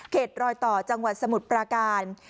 รอยต่อจังหวัดสมุทรปราการ